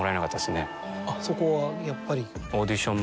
そこはやっぱり。